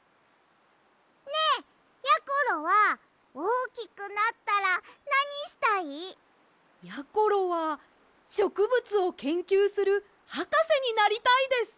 ねえやころはおおきくなったらなにしたい？やころはしょくぶつをけんきゅうするはかせになりたいです。